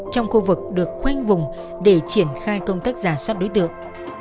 trong khu vực được khoanh vùng để triển khai công tác giả soát đối tượng